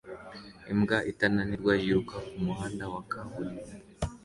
Imbwa itananirwa yiruka kumuhanda wa kaburimbo